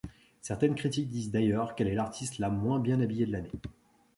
Certaines critiques disent d'ailleurs qu'elle est l'artiste la moins bien habillée de l'année.